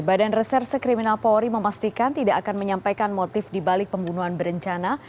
badan reserse kriminal polri memastikan tidak akan menyampaikan motif dibalik pembunuhan berencana